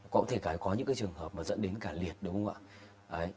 có thể có những trường hợp dẫn đến cả liệt đúng không ạ